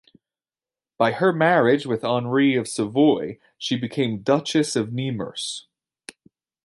By her marriage with Henri of Savoy, she became Duchess of Nemours.